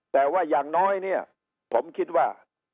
แต่ว่าอย่างน้อยเนี่ยผมคิดว่า